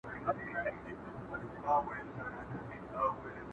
د دې بې دردو په ټاټوبي کي بازار نه لري.!